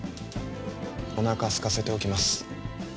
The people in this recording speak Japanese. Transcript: おなかすかせておきます